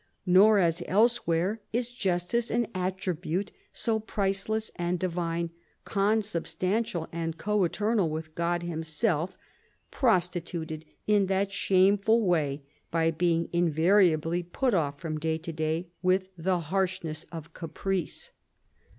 Nor, as elsewhere, is justice, an attribute so priceless and divine, con substantial and co eternal with God Himself, prostituted in that shame ful way, by being invariably put off from day to day with the harshness of caprice.